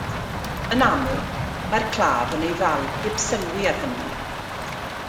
Yn aml, mae'r claf yn ei ddal heb sylwi ar hynny.